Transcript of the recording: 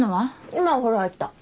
今お風呂入った。